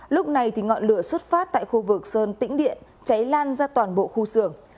lúc này ngọn lửa xuất phát tại khu vực sơn tĩnh điện cháy lan ra toàn bộ khu xưởng